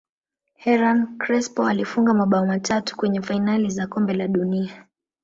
hernan crespo alifunga mabao matatu kwenye fainali za kombe la dunia